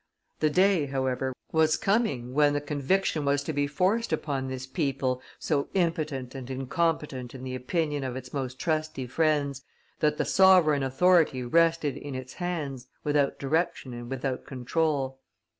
The day, however, was coming when the conviction was to be forced upon this people, so impotent and incompetent in the opinion of its most trusty friends, that the sovereign authority rested in its hands, without direction and without control.